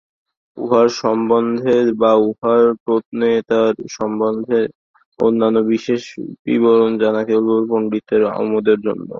উহার সম্বন্ধে বা উহার প্রণেতার সম্বন্ধে অন্যান্য বিশেষ বিবরণ জানা কেবল পণ্ডিতদের আমোদের জন্য।